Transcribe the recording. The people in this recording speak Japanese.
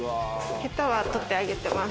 ヘタは取ってあげてます。